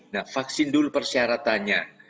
nah vaksin dulu persyaratannya